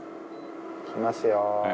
いきますよー。